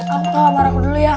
aku tau marah aku dulu ya